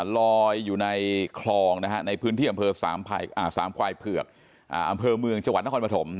ลอยอยู่ในคลองในพื้นที่อำเภอสามควายเผือกอำเภอเมืองจังหวัดนครปฐม